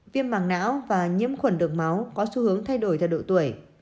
viêm bằng não và nhiễm khuẩn đường máu có xu hướng thay đổi theo độ tuổi